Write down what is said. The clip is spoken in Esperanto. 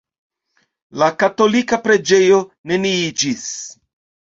La katolika preĝejo neniiĝis.